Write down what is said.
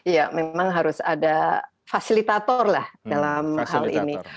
ya memang harus ada fasilitator lah dalam hal ini